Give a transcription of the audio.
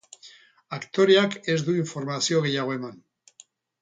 Aktoreak ez du informazio gehiago eman.